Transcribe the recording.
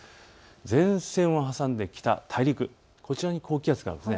前線を挟んで北、大陸、こちらに高気圧があります。